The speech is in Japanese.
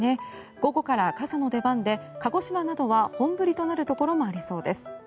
午後から傘の出番で鹿児島などは本降りとなるところもありそうです。